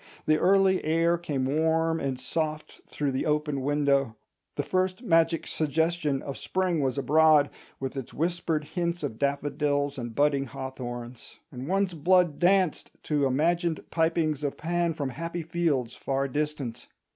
The early air came warm and soft through the open window; the first magic suggestion of spring was abroad, with its whispered hints of daffodils and budding hawthorns; and one's blood danced to imagined pipings of Pan from happy fields far distant.